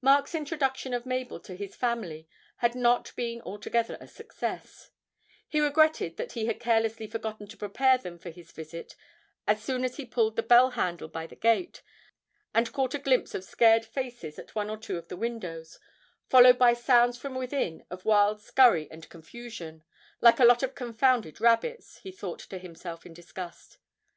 Mark's introduction of Mabel to his family had not been altogether a success; he regretted that he had carelessly forgotten to prepare them for his visit as soon as he pulled the bell handle by the gate, and caught a glimpse of scared faces at one or two of the windows, followed by sounds from within of wild scurry and confusion 'like a lot of confounded rabbits!' he thought to himself in disgust.